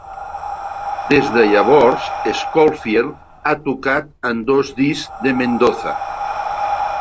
Des de llavors, Scofield ha tocat en dos discs de Mendoza.